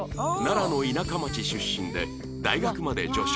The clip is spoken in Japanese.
奈良の田舎町出身で大学まで女子校